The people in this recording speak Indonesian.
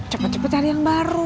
cepet cepet cari yang baru